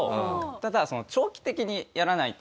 ただ長期的にやらないと。